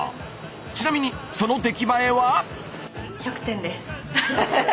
ちなみにその出来栄えは？